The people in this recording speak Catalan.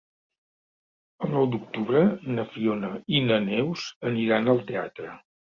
El nou d'octubre na Fiona i na Neus aniran al teatre.